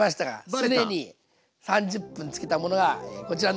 既に３０分つけたものがこちらになります。